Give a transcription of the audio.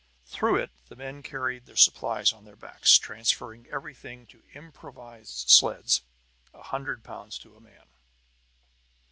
Through it the men carried their supplies on their backs, transferring everything to improvised sleds, a hundred pounds to a man.